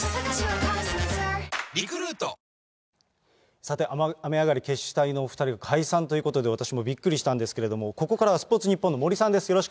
さて雨上がり決死隊のお２人が解散ということで、私もびっくりしたんですけれども、ここからはスポーツニッポンの森さんです。